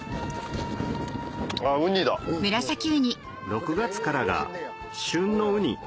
６月からが旬のウニ